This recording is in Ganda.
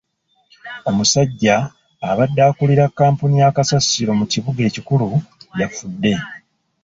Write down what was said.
Omusajja abadde akulira kkampuni ya kasasiro mu kibuga ekikulu yafudde.